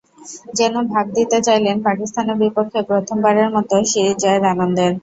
যেন ভাগ দিতে চাইলেন পাকিস্তানের বিপক্ষে প্রথমবারের মতো সিরিজ জয়ের আনন্দের।